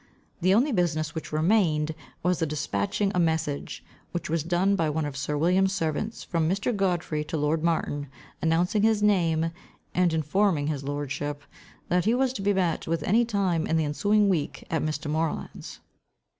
The only business which remained, was the dispatching a message, which was done by one of sir William's servants, from Mr. Godfrey to lord Martin, announcing his name, and informing his lordship, that he was to be met with any time in the ensuing week at Mr. Moreland's.